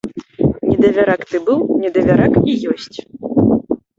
Недавярак ты быў, недавярак і ёсць!